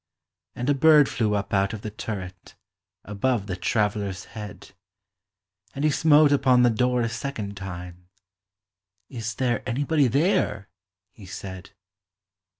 And a bird flew up out of the turret, Above the traveler's head: And he smote upon the door a second time; "Is there anybody there?" he said.